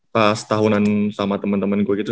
pas tahunan sama temen temen gue gitu